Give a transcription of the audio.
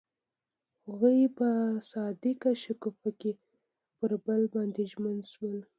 هغوی په صادق شګوفه کې پر بل باندې ژمن شول.